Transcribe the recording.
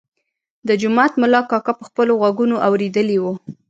د جومات ملا کاکا په خپلو غوږونو اورېدلی و.